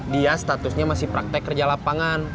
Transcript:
dia statusnya masih praktek kerja lapangan